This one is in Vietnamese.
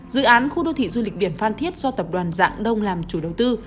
dự án khu đô thị du lịch biển phan thiết do tập đoàn dạng đông làm chủ đầu tư